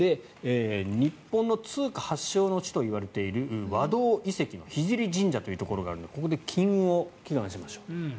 日本の通貨発祥の地といわれている和銅遺跡の聖神社というところがあるのでここで金運を祈願しましょう。